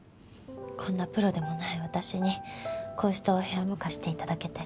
こんなプロでもない私にこうしてお部屋も貸して頂けて。